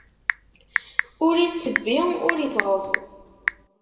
Ur ittebbi ur ittɣeẓẓ.